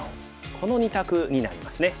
この２択になりますね。